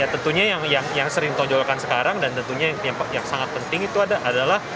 tentunya yang sering tonjolkan sekarang dan tentunya yang sangat penting itu adalah